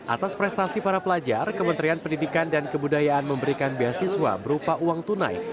atas prestasi para pelajar kementerian pendidikan dan kebudayaan memberikan beasiswa berupa uang tunai